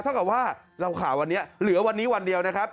เท่ากับว่าเราข่าววันนี้เหลือวันนี้วันเดียวนะครับ